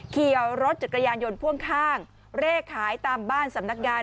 ขี่รถจักรยานยนต์พ่วงข้างเลขขายตามบ้านสำนักงาน